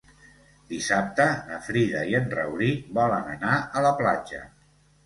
Dissabte na Frida i en Rauric volen anar a la platja.